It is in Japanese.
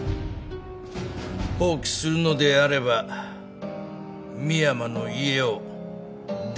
放棄するのであれば深山の家を出ていけ。